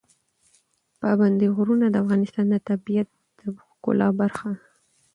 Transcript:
پابندی غرونه د افغانستان د طبیعت د ښکلا برخه ده.